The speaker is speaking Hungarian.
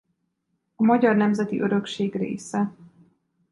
A magyar nemzeti örökség része.